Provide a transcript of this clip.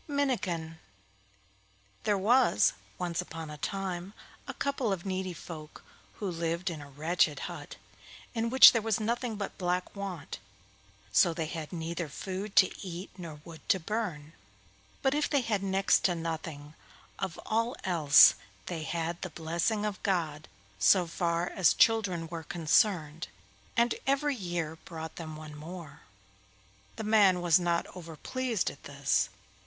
MINNIKIN There was once upon a time a couple of needy folk who lived in a wretched hut, in which there was nothing but black want; so they had neither food to eat nor wood to burn. But if they had next to nothing of all else they had the blessing of God so far as children were concerned, and every year brought them one more. The man was not overpleased at this.